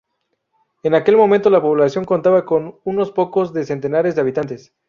En aquel momento la población contaba con unos pocos de centenares de habitantes.